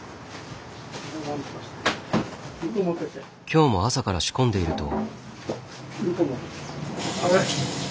今日も朝から仕込んでいると。